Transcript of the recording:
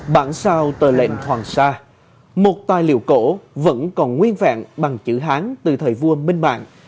bản sao tờ lệnh hoàng sa một tài liệu cổ vẫn còn nguyên vẹn bằng chữ hán từ thời vua minh mạng